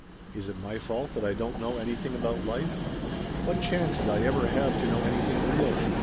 Is it my fault that I don't know anything about life? What chance did I ever have to know anything real?